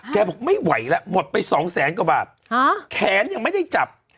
บอกไม่ไหวแล้วหมดไปสองแสนกว่าบาทแขนยังไม่ได้จับ